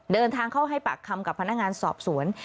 เดินทางเข้าให้ปากคำกับพนักงานสอบสวน